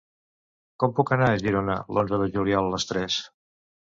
Com puc anar a Girona l'onze de juliol a les tres?